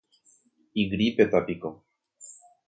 igrípetapiko